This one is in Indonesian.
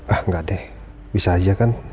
ah nggak deh bisa aja kan